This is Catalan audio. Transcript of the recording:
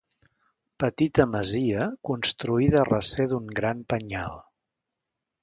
Petita masia construïda a recer d'un gran penyal.